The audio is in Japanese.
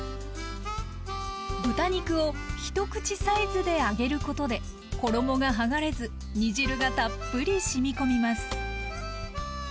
豚肉を一口サイズで揚げることで衣がはがれず煮汁がたっぷりしみ込みます。